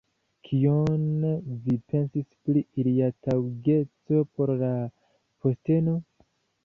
Kion vi pensas pri ilia taŭgeco por la posteno?